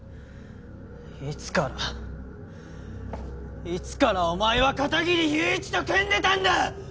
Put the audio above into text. いつからいつからお前は片切友一と組んでたんだ！？